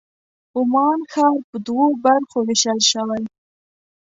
عمان ښار په دوو برخو وېشل شوی.